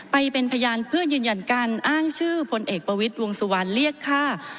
ไปเป็นพยานเพื่อยืนยันการอ้างชื่อพลเอกประวิทย์วงสุวรรณเรียกค่า